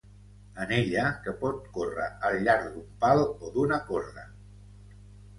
Anella que pot córrer al llarg d'un pal o d'una corda.